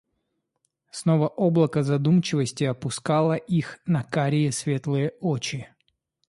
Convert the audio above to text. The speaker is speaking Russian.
Снова облако задумчивости опускало их на карие светлые очи